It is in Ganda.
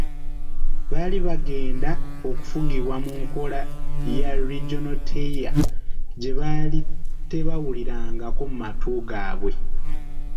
Baali begenda kufugibwa mu nkola ya Regional Tier gye baali tebawulirangako mu matu gaabwe.